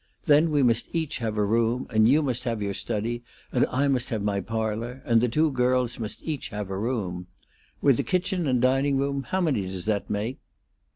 Then we must each have a room, and you must have your study and I must have my parlor; and the two girls must each have a room. With the kitchen and dining room, how many does that make?"